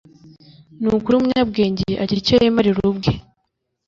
ni ukuri umunyabwenge agira icyo yimarira ubwe